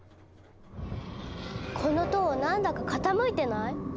この塔何だか傾いてない？